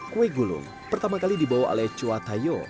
kue gulung pertama kali dibawa oleh chua tayo